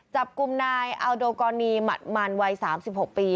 จับกลุ่มนายอัลโดกรณีหมัดมันวัย๓๖ปี